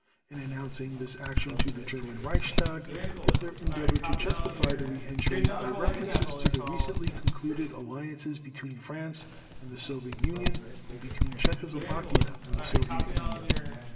In announcing this action to the German Reichstag, Hitler endeavored to justify the re entry by references to the recently concluded alliances between France and the Soviet Union, and between Czechoslovakia and the Soviet Union.